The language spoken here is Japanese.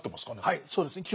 はいそうですね。